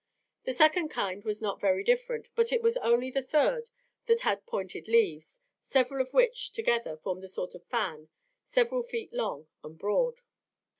The second kind was not very different, and it was only the third that had pointed leaves, several of which together formed a sort of fan several feet long and broad.